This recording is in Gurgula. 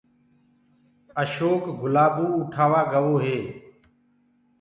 اشوڪ گلآبو اُٺآوآ گوو هي